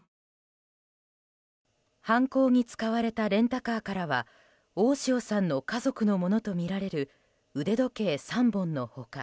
犯行に使われたレンタカーからは大塩さんの家族のものとみられる腕時計３本の他